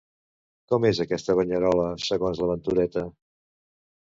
Com és aquesta banyerola segons la Ventureta?